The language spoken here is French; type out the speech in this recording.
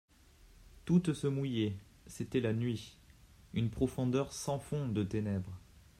Toutes se mouillaient, c'était la nuit, une profondeur sans fond de ténèbres.